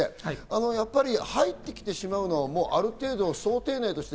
入ってきてしまうのは、ある程度想定内として